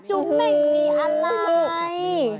จุ้มเม่งมีอะไร